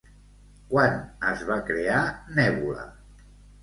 Quan es va crear Nébula?